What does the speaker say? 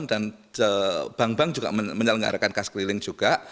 dan bank bank juga menyelenggarakan khas keliling juga